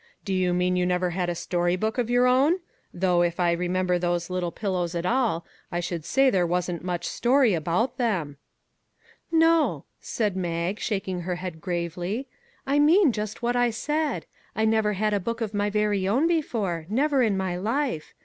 Do you mean you never had a story book of your own? Though, if I re member those ' Little Pillows ' at all I should say there wasn't much story about them." 57 MAG AND MARGARET " No," said Mag, shaking her head gravely ;" I mean just what I said. I never had a book of my very own before; never in my life.